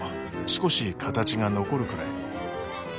少し形が残るくらいに。